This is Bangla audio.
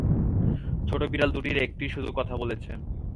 ছোট বিড়াল দুটির একটি শুধু কথা বলছে।